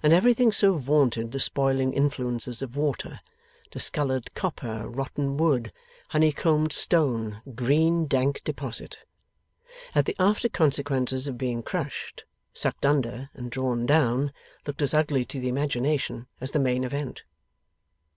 And everything so vaunted the spoiling influences of water discoloured copper, rotten wood, honey combed stone, green dank deposit that the after consequences of being crushed, sucked under, and drawn down, looked as ugly to the imagination as the main event.